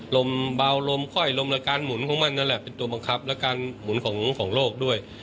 ลมเบาลมค่อยลมและการหมุนของมันนั่นแหละเป็นตัวบังคับและการหมุนของโลกด้วย